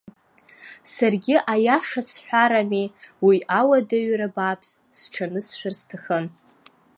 Саргьы аиаша сҳәар ами, уи ауадаҩра бааԥс сҽанысшәар сҭахын.